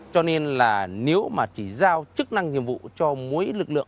cho nên là nếu mà chỉ giao chức năng nhiệm vụ cho mỗi lực lượng